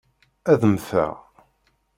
Ad mmteɣ.